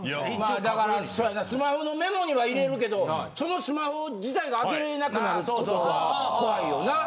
だからそやなスマホのメモには入れるけどそのスマホ自体が開けれなくなる事は怖いよな。